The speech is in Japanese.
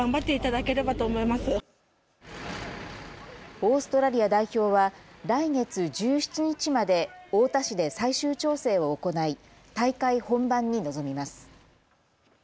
オーストラリア代表は来月１７日まで太田市で最終調整を行い、大会本番に臨みます。